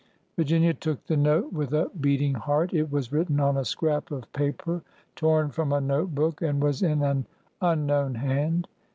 Virginia took the note with a beating heart. It was written on a scrap of paper torn from a note book, and was in an unknown hand.